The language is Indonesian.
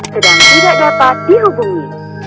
sedang tidak dapat dihubungi